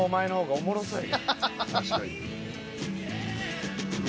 はい。